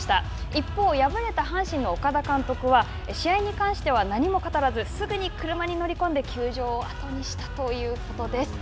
一方、敗れた阪神の岡田監督は試合に関しては何も語らずすぐに車に乗り込んで球場を後にしたということです。